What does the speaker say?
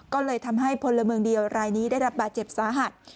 ก็เลยทำให้พลเมืองเดียวรายนี้ได้รับบาดเจ็บสาหัส